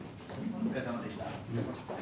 お疲れさまでした。